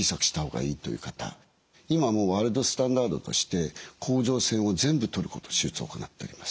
今もうワールドスタンダードとして甲状腺を全部とること手術を行っております。